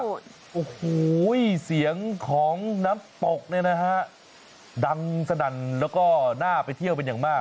สูญประชุมเป็นอย่างมาก